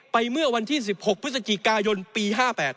เมื่อวันที่๑๖พฤศจิกายนปี๕๘